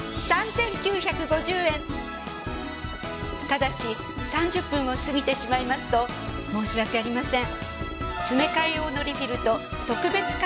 ただし３０分を過ぎてしまいますと申し訳ありません。